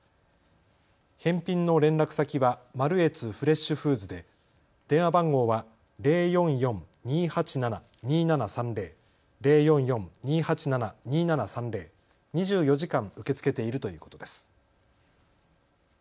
返品の連絡先はマルエツフレッシュフーズで電話番号は０４４−２８７−２７３０２４時間受け付けているということです。